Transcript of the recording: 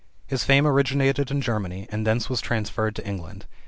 His fame originated in Germany, and thence was transferred to England.